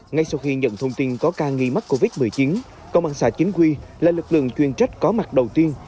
ngay sau khi nhận thông tin có ca nghi mắc covid một mươi chín công an xã chính quy là lực lượng chuyên trách có mặt đầu tiên